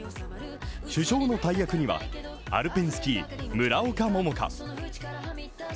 主将の大役にはアルペンスキー・村岡桃佳。